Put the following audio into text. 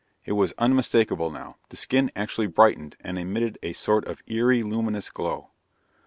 It was unmistakable now the skin actually brightened and emitted a sort of eerie, luminous glow.